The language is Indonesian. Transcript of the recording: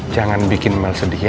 jangan bikin mel sedih ya